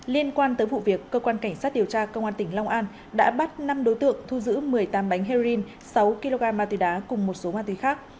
liên quan tới vụ việc cơ quan cảnh sát điều tra công an tỉnh long an đã bắt năm đối tượng thu giữ một mươi tám bánh heroin sáu kg ma túy đá cùng một số ma túy khác